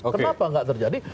kenapa nggak terjadi